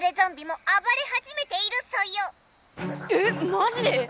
マジで？